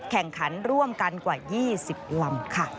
แข่งขันร่วมกันกว่า๒๐ลำค่ะ